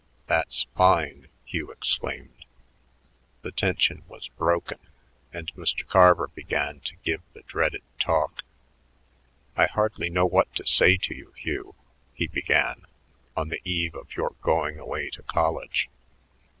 "That's fine!" Hugh exclaimed. The tension was broken, and Mr. Carver began to give the dreaded talk. "I hardly know what to say to you, Hugh," he began, "on the eve of your going away to college.